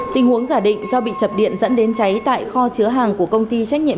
tình huống giả định do bị chập điện dẫn đến cháy tại kho chứa hàng của công ty trách nhiệm